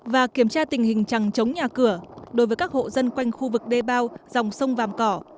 và kiểm tra tình hình chẳng chống nhà cửa đối với các hộ dân quanh khu vực đê bao dòng sông vàm cỏ